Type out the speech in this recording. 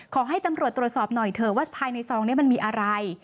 ขอให้ตำรวจตรวจสอบหน่อยเถอะว่าภายในซองนี้มันมีอะไร